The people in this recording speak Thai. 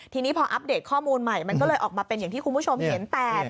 ทีนี้พออัปเดตข้อมูลใหม่มันก็เลยออกมาเป็นอย่างที่คุณผู้ชมเห็นแต่